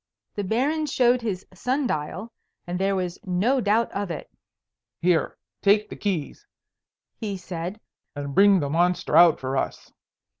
The Baron showed his sun dial, and there was no doubt of it. "Here, take the keys," he said, "and bring the monster out for us."